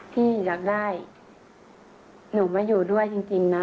ที่อยากได้หนูมาอยู่ด้วยจริงนะ